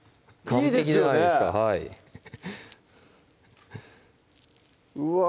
完璧じゃないですかうわ